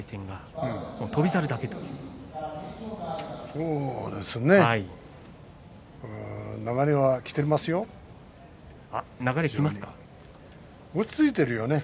そうですね。